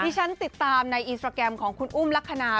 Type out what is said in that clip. ที่ฉันติดตามในอินสตราแกรมของคุณอุ้มลักษณะ